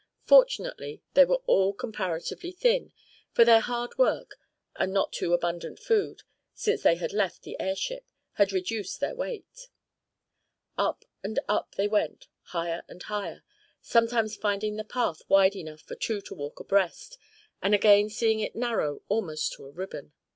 Fortunately they were all comparatively thin, for their hard work, and not too abundant food, since they had left the airship, had reduced their weight. Up and up they went, higher and higher, sometimes finding the path wide enough for two to walk abreast, and again seeing it narrow almost to a ribbon.